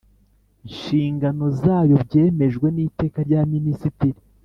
Nshingano zayo byemejwe n iteka rya minisitiri